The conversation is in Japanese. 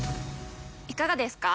いかがですか？